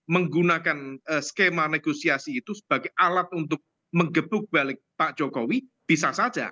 menggunakan skema negosiasi itu sebagai alat untuk menggebuk balik pak jokowi bisa saja